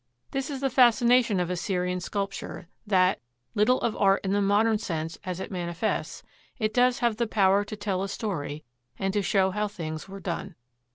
This is the fascination of Assyrian sculpture, that, little of art in the modern sense as it manifests, it does have the power to tell a story and to show how things were done.